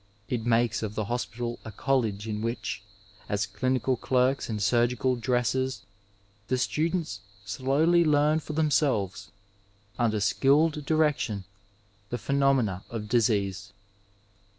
It makes of the hospital a college m which, as clinical clerks and surgical dressers, the students slowly learn for themselves, imder skilled direction, tiie phenomena of disease.